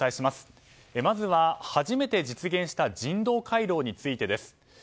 まずは、初めて実現した人道回廊についてです。